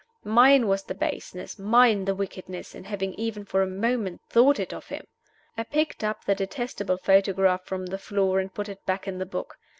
Mine was the baseness, mine the wickedness, in having even for a moment thought it of him! I picked up the detestable photograph from the floor, and put it back in the book.